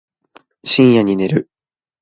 深夜に寝る